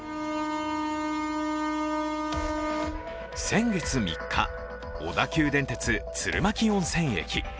先月３日、小田急電鉄鶴巻温泉駅。